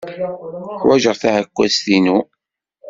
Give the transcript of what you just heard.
Ḥwajeɣ taɛekkazt-inu.